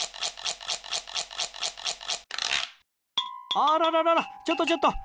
あらら、ちょっとちょっと！